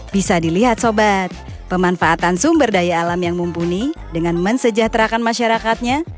bisa dilihat sobat pemanfaatan sumber daya alam yang mumpuni dengan mensejahterakan masyarakatnya